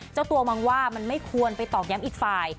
เจ้าตัวมองว่ามันไม่ควรไปตอกย้ำอีกฝ่าย